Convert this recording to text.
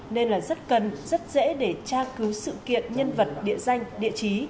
nên là rất cần rất dễ để tra cứu sự kiện nhân vật địa danh địa chí